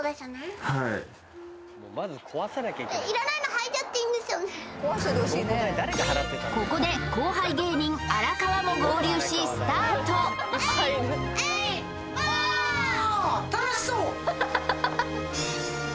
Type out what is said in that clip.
はいここで後輩芸人荒川も合流しスタート楽しそう！